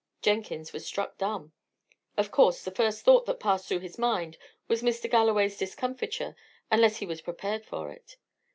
Jenkins was struck dumb. Of course, the first thought that passed through his mind was Mr. Galloway's discomfiture, unless he was prepared for it.